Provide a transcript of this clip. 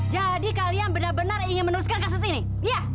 jadi kalian benar benar ingin meneruskan kasus ini iya